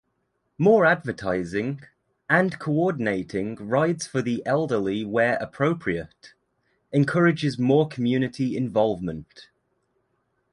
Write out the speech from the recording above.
More advertising, and coordinating rides for the elderly where appropriate, encourages more community involvement.